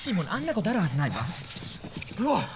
あんなことあるはずないわ。